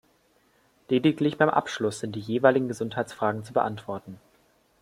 Lediglich beim Abschluss sind die jeweiligen Gesundheitsfragen zu beantworten.